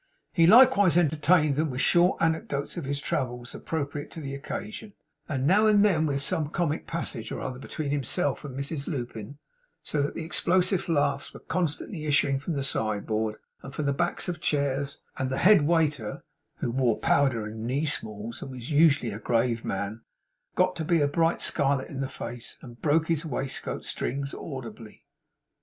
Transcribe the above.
He likewise entertained them with short anecdotes of his travels appropriate to the occasion; and now and then with some comic passage or other between himself and Mrs Lupin; so that explosive laughs were constantly issuing from the side board, and from the backs of chairs; and the head waiter (who wore powder, and knee smalls, and was usually a grave man) got to be a bright scarlet in the face, and broke his waistcoat strings audibly.